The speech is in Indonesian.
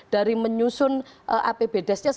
dari menyusun apb des